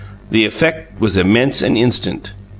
The effect was immense and instant.